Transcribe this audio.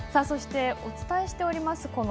そしてお伝えしております